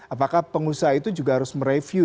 apakah pengusaha itu juga harus mereview